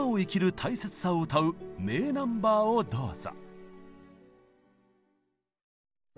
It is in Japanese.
大切さを歌う名ナンバーをどうぞ！